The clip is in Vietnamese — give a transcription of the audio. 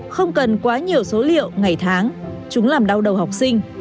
không cần quá nhiều số liệu ngày tháng chúng làm đau đầu học sinh